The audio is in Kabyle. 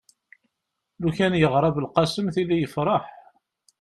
lukan yeɣra belqsem tili yefreḥ